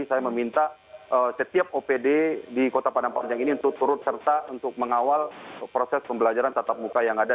jadi saya meminta setiap opd di kota padang panjang ini untuk turut serta untuk mengawal proses pembelajaran tetap muka yang ada